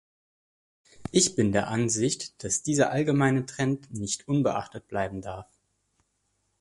Ich bin der Ansicht, dass dieser allgemeine Trend nicht unbeachtet bleiben darf.